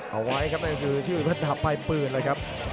เอาไว้ครับนั่นคือชื่ออันดับปลายพื้นเลยครับ